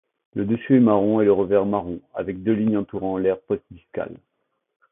Le dessus est marron et le revers marron avec deux lignes entourant l'aire postdiscale.